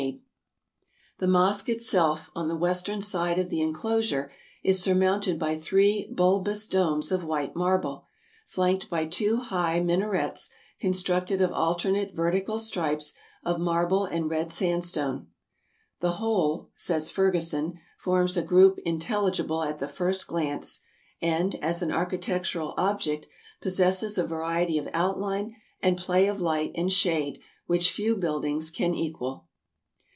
BUDDHIST PRIESTS ASIA 311 The mosque itself, on the western side of the inclosure, is surmounted by three bulbous domes of white marble, flanked by two high minarets constructed of alternate verti cal stripes of marble and red sandstone. '' The whole, '' says Fergusson, "forms a group intelligible at the first glance, and, as an architectural object, possesses a variety of outline and play of light and shade which few buildings can equal.